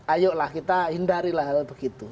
ayolah kita hindari lah hal hal begitu